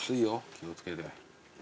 気を付けて。